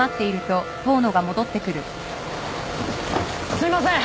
すいません